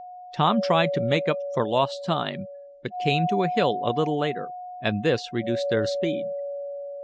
Tom tried to make up for lost time, but came to a hill a little later, and this reduced their speed.